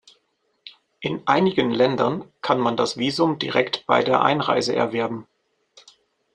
In einigen Ländern kann man das Visum direkt bei der Einreise erwerben.